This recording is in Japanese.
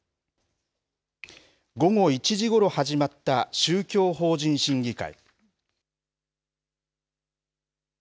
午後１時ごろ始まった宗教法人審議会。